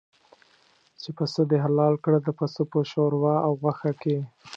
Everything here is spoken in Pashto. چې پسه دې حلال کړ د پسه په شوروا او غوښه کې.